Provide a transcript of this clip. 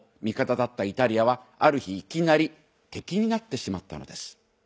味方だったイタリアはある日いきなり敵になってしまったのです。